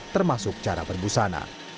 termasuk cara perbusana